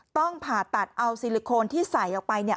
ต้องผ่าตัดเอาซิลิโคนที่ใส่ออกไปเนี่ย